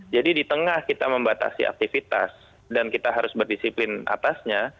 jadi di tengah kita membatasi aktivitas dan kita harus berdisiplin atasnya